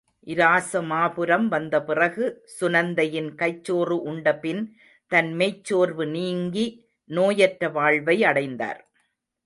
இராசமாபுரம் வந்த பிறகு சுநந்தையின் கைச்சோறு உண்ட பின் தன் மெய்ச்சோர்வு நீங்கி நோயற்ற வாழ்வை அடைந்தார்.